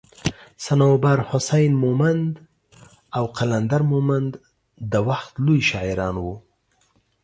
صنوبر حسين مومند او قلندر مومند دا وخت لوي شاعران وو